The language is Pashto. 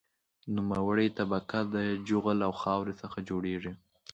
نوموړې طبقه د جغل او خاورې څخه جوړیږي